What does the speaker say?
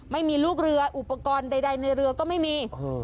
ไม่มีลูกเรืออุปกรณ์ใดในเรือก็ไม่มี